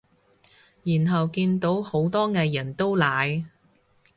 然後見到好多藝人都奶